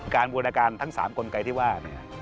บูรณาการทั้ง๓กลไกที่ว่า